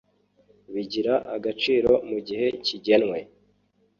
bigira agaciro mu gihe kigenwe